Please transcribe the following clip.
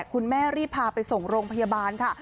คุณแม่รีบพาไปส่งโรงพยาบาลค่ะ